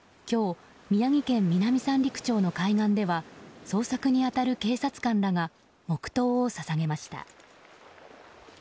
今日、宮城県南三陸町の海岸では捜索に当たる警察官らが黙祷を捧げました。